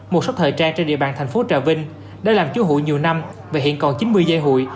một số thời trang trên địa bàn thành phố trà vinh đã làm chú hụi nhiều năm và hiện còn chín mươi dây hụi